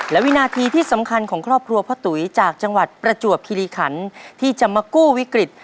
และวินาทีที่สำคัญของครอบครัวพ่อตุ๋ยจากจังหวัดประจวบคิริขันที่จะมากู้วิกฤต